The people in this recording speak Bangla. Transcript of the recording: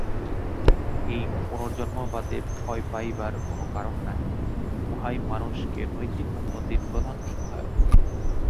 এই পুনর্জন্মবাদে ভয় পাইবার কোন কারণ নাই, উহাই মানুষের নৈতিক উন্নতির প্রধান সহায়ক।